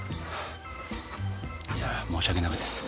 いや申し訳なかったです